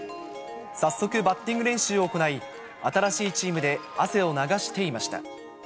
早速バッティング練習を行い、新しいチームで汗を流していました。